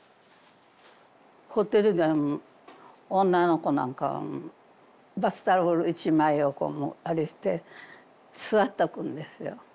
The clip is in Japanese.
ホテルで女の子なんかバスタオルを１枚をこうあれして座っとくんですよ。